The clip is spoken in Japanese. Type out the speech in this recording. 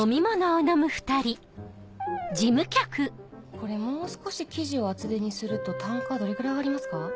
これもう少し生地を厚手にすると単価どれぐらい上がりますか？